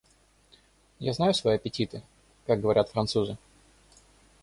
Я знаю свои аппетиты, как говорят французы.